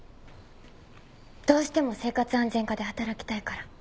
どうしても生活安全課で働きたいから。